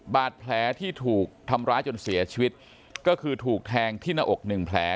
บาดแผลที่ถูกทำร้ายจนเสียชีวิตก็คือถูกแทงที่หน้าอกหนึ่งแผล